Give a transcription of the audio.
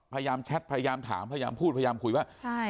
พยายามแชตพยายามถามพยายามพูดพยายามคุยว่า